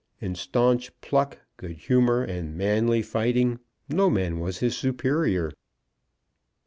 In staunch pluck, good humour, and manly fighting, no man was his superior.